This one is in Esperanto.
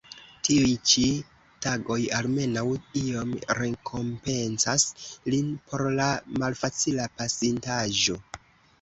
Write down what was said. Tiuj ĉi tagoj almenaŭ iom rekompencas lin por la malfacila pasintaĵo.